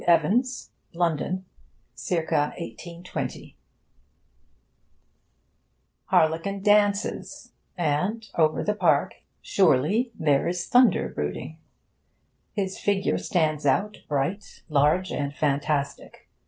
EVANS, LONDON' CIRCA 1820 Harlequin dances, and, over the park he dances in, surely there is thunder brooding. His figure stands out, bright, large, and fantastic.